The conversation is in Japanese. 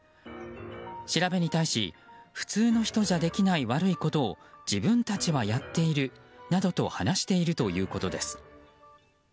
調べに対し普通の人じゃできない悪いことを自分たちはやっているなどと話しているということです。